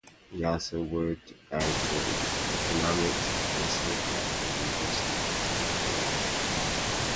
He also worked as an economics professor at the University of Richmond.